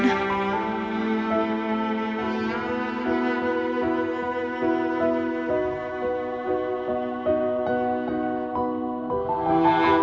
mama gak tau